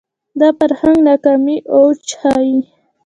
دا فرهنګ ناکامۍ اوج ښيي